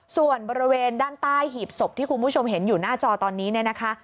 ส่วนบริเวณด้านใต้หีบศพที่คุณผู้ชมเห็นอยู่หน้าจอตอนนี้เนี่ยนะคะ